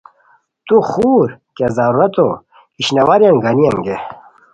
تو خور کیہ ضرورتو اشنواریان گانی انگے